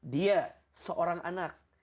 dia seorang anak